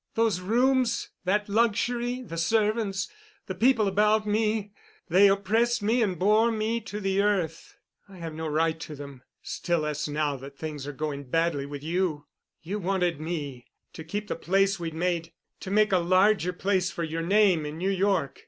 Those rooms, that luxury, the servants, the people about me, they oppressed me and bore me to the earth. I have no right to them—still less now that things are going badly with you. You wanted me to keep the place we'd made—to make a larger place for your name in New York.